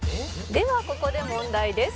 「ではここで問題です」